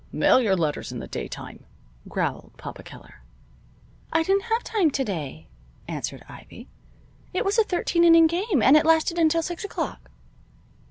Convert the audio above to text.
"Mail your letters in the daytime," growled Papa Keller. "I didn't have time to day," answered Ivy. "It was a thirteen inning game, and it lasted until six o'clock."